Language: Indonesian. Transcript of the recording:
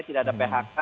tidak ada phk